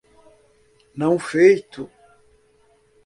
Não feito